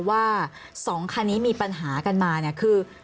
ว่า๒คันนี้มีปัญหากันมาเนี่ยคือ